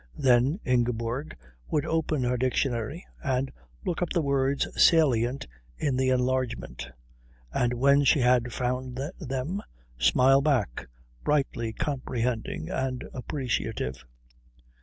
Then Ingeborg would open her dictionary and look up the words salient in the enlargement, and when she had found them smile back, brightly comprehending and appreciative.